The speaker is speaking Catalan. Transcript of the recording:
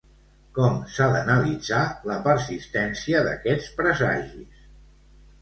Com s'ha d'analitzar la persistència d'aquests presagis?